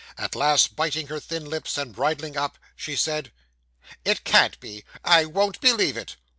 At last, biting her thin lips, and bridling up, she said 'It can't be. I won't believe it.